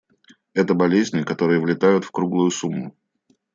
Это болезни, которые влетают в круглую сумму.